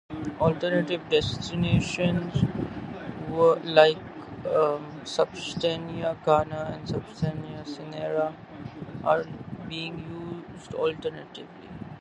Alternative designations like "substantia cana" and "substantia cinerea" are being used alternatively.